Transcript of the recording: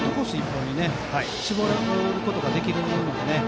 １本に絞ることができるのでね。